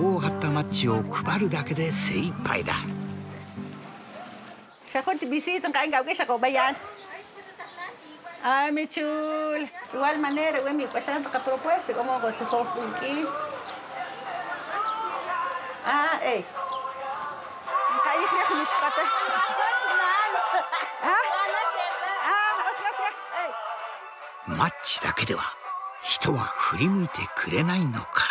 マッチだけでは人は振り向いてくれないのか。